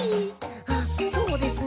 あっそうですね。